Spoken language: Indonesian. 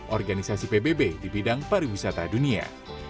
organisasi pbb di bidang pariwisata dunia